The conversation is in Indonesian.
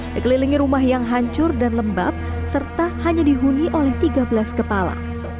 dikelilingi rumah yang hancur dan lembab serta hanya dihuni oleh tiga belas kepala